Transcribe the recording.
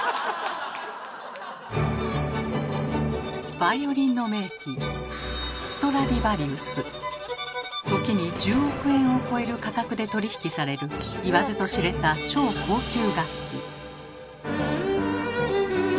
バイオリンの名器時に１０億円を超える価格で取り引きされる言わずと知れた超高級楽器。